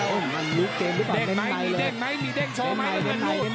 เด็กไม้รุนมีเด็กโชว์มีเด็กในนั่นนั่น